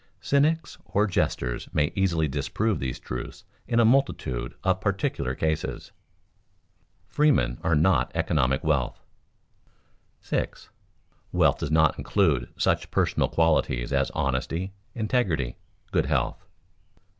Cynics or jesters may easily disprove these truths in a multitude of particular cases. [Sidenote: Freemen are not economic wealth] 6. _Wealth does not include such personal qualities as honesty, integrity, good health.